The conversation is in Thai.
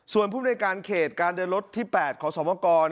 ส่วนผู้บริการเขตการเดินรถที่๘ของสมกร